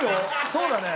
そうだね。